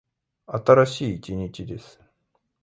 新しい一日です。